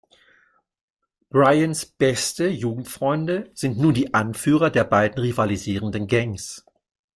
Brians beste Jugendfreunde sind nun die Anführer der beiden rivalisierenden Gangs.